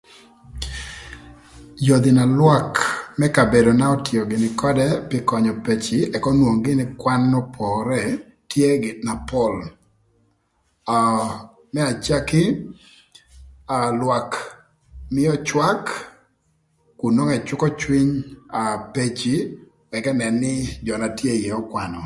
Yodhi na lwak më kabedona otio gïnï ködë pï könyö peki ëk onwong gïnï kwan n'opore tye gïnï na pol aa më acaki aa lwak mïö cwak kun nwongo ëcükö cwiny aa peci ëk ënën nï jö na tye ïë ökwanö.